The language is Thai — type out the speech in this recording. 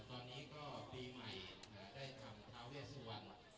ตอนนี้ก็ปีใหม่ได้ทำท้าเวสวรรณ